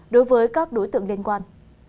đối với các đối tượng liên quan